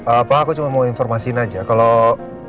apa aku cuma mau informasiin aja kalau